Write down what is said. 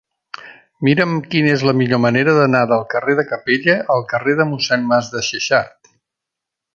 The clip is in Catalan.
Mira'm quina és la millor manera d'anar del carrer de Capella al carrer de Mossèn Masdexexart.